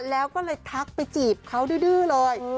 แล้วก็เลยทักไปจีบเขาดื้อเลย